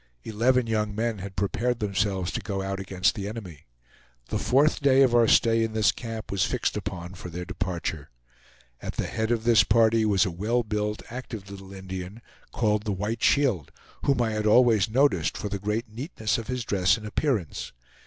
Eleven young men had prepared themselves to go out against the enemy. The fourth day of our stay in this camp was fixed upon for their departure. At the head of this party was a well built active little Indian, called the White Shield, whom I had always noticed for the great neatness of his dress and appearance.